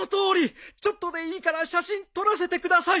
ちょっとでいいから写真撮らせてください。